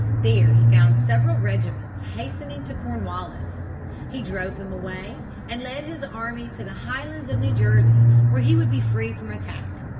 There he found several regiments hastening to Cornwallis. He drove them away and led his army to the highlands of New Jersey where he would be free from attack.